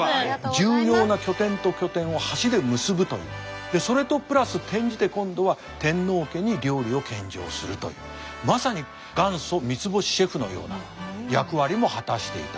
重要な拠点と拠点を橋で結ぶというそれとプラス転じて今度は天皇家に料理を献上するというまさに元祖三つ星シェフのような役割も果たしていた。